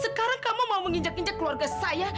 sekarang kamu mau menginjak injak keluarga saya